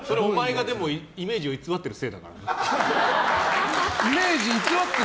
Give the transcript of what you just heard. お前がイメージを偽ってるせいだからな。